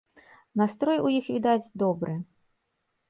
Настрой у іх, відаць, добры.